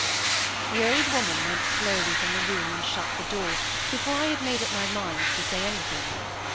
The old woman went slowly from the room and shut the door, before I had made up my mind to say anything.